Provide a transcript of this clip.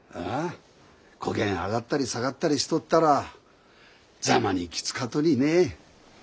こげん上がったり下がったりしとったらざまにきつかとにね。